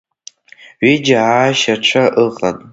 Ҩыџьа аашьацәа ыҟан.